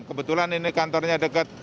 kebetulan ini kantornya dekat